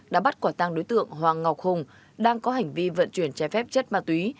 đã bắt quả tăng đối tượng hoàng ngọc hùng đang có hành vi vận chuyển trái phép chất ma túy